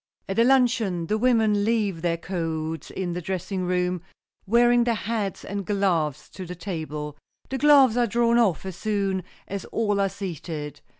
At a luncheon the women leave their coats in the dressing room, wearing their hats and gloves to the table. The gloves are drawn off as soon as all are seated.